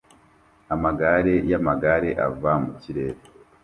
Amagare yamagare ava mu kirere